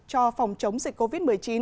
cho phòng chống dịch covid một mươi chín